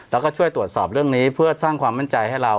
แล้วก็ช่วยตรวจสอบเรื่องนี้เพื่อสร้างความมั่นใจให้เรา